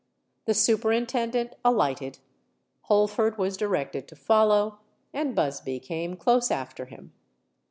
The Superintendent alighted: Holford was directed to follow; and Busby came close after him.